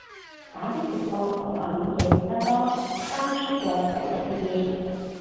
打機直播有畫面嘅見得多，齋吹嘅第一次見